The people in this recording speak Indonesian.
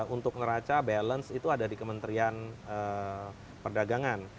untuk neraca balance itu ada di kementerian perdagangan